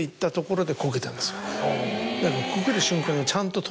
だから。